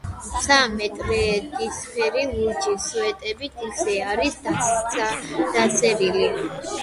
ცა მტრედისფერ, ლურჯ სვეტებით ისე არის დასერილი